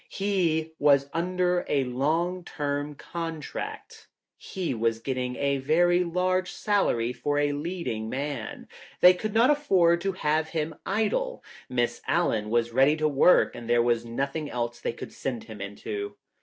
He was under a long term contract. He was getting a very large salary for a leading man. They could not afford to have him idle. Miss Allen was ready to work and there was nothing else they could send him into.